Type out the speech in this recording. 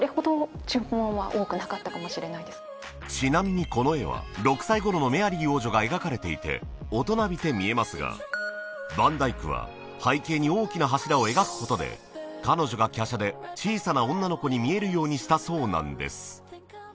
ちなみにこの絵は６歳頃のメアリー王女が描かれていて大人びて見えますがヴァン・ダイクは背景に大きな柱を描くことで彼女がに見えるようにしたそうなんです